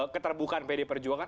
keterbukaan pd perjuangan